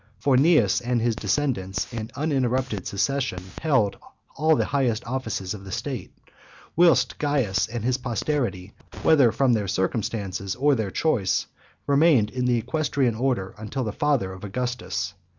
For Cneius, and his descendants in uninterrupted succession, held all the highest offices of the state; whilst Caius and his posterity, whether from their circumstances or their choice, remained in the equestrian order until the father of Augustus.